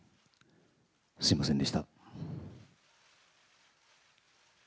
すみませんでした。